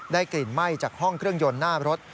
กลิ่นไหม้จากห้องเครื่องยนต์หน้ารถ